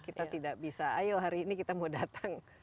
kita tidak bisa ayo hari ini kita mau datang